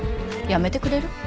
やめてくれる？